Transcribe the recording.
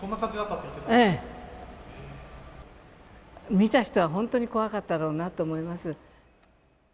見た人は本当に怖かったろうなと思います。